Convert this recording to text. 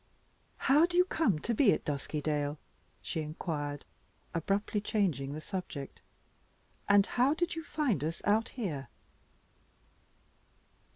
"How do you come to be at Duskydale?" she inquired, abruptly changing the subject. "And how did you find us out here?"